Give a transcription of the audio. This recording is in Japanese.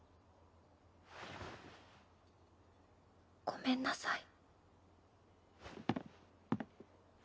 ごめんなさい。